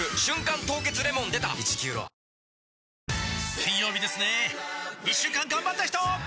金曜日ですね一週間がんばった人！